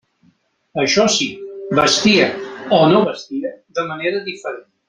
Això sí, vestia —o no vestia?— de manera diferent.